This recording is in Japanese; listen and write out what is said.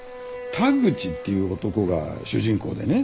田口っていう男が主人公でね